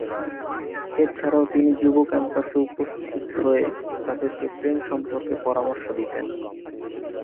এছাড়াও তিনি যুব ক্যাম্পাসে উপস্থিত হয়ে তাদেরকে প্রেম সম্পর্কে পরামর্শ দিতেন।